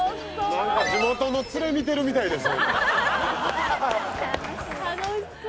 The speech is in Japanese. なんか地元の連れ見てるみたいです